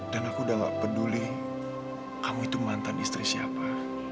aku udah gak peduli kamu itu mantan istri siapa